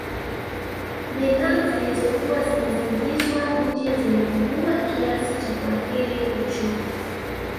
Bidhaa zilizokuwa zinazingizwa nje zilipugua kiasi cha kuathiri uchumi